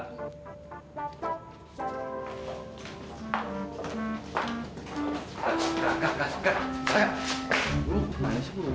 kak kak kak